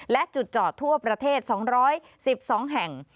และจุดจอดทั่วประเทศ๒๑๒แห่ง